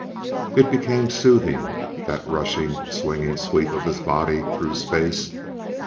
It became soothing, that rushing, swinging sweep of his body through space.